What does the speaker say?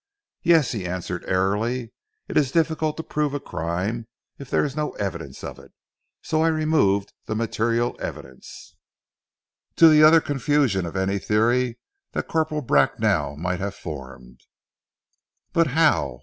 "Yes," he answered airily. "It is difficult to prove a crime if there is no evidence of it, so I removed the material evidence, to the utter confusion of any theory that Corporal Bracknell might have formed." "But how?